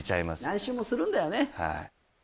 何周もするんだよね